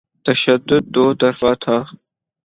تشدد دوطرفہ تھا۔